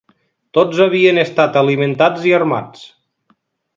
Tots havien estat alimentats i armats.